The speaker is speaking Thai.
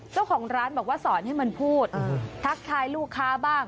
เจ้าของร้านบอกว่าสอนให้มันพูดทักทายลูกค้าบ้าง